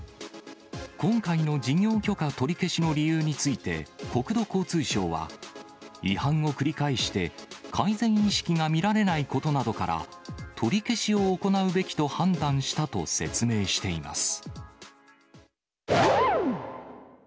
今回の事業許可取り消しの理由について、国土交通省は、違反を繰り返して、改善意識が見られないことなどから、取り消しを行うべきと判断したと説明しています。